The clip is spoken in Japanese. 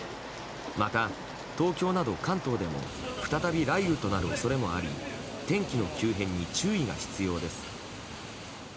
また、東京など関東でも再び雷雨となる恐れもあり天気の急変に注意が必要です。